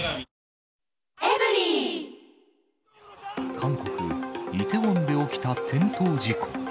韓国・イテウォンで起きた転倒事故。